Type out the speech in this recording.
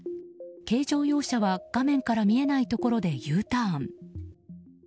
軽乗用車は画面から見えないところでＵターン。